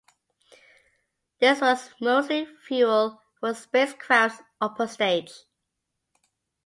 This was mostly fuel for the spacecraft's upper stage.